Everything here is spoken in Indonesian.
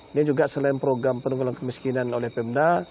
ini juga selain program penunggulan kemiskinan oleh pemda